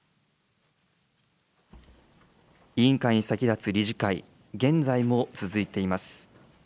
委員会に先立つ理事会、現在も続いています。